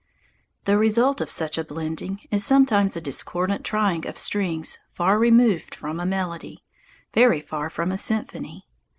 The result of such a blending is sometimes a discordant trying of strings far removed from a melody, very far from a symphony.